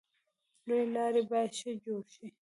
لویې لارې باید ښه جوړې شي.